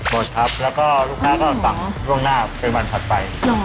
หมดครับแล้วก็ลูกค้าก็สั่งล่วงหน้าเป็นวันถัดไป